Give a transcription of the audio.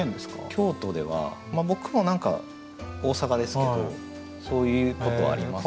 京都ではまあ僕も何か大阪ですけどそういうことありますね。